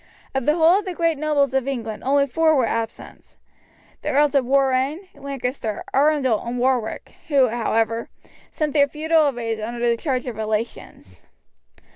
Of the whole of the great nobles of England only four were absent the Earls of Warrenne, Lancaster, Arundel, and Warwick who, however, sent their feudal arrays under the charge of relations.